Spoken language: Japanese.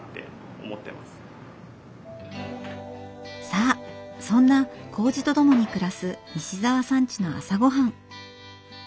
さあそんなこうじと共に暮らす西澤さんちの朝ごはん。